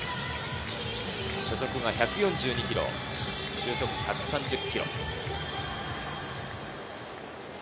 初速が１４２キロ、終速は１３０キロ。